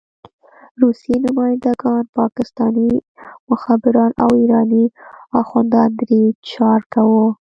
روسي نماینده ګان، پاکستاني مخبران او ایراني اخندان درې چارکه وو.